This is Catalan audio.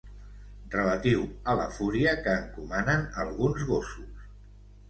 Relatiu a la fúria que encomanen alguns gossos.